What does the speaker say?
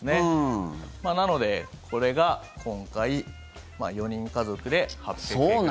なので、これが今回４人家族で８００円ほど下がる。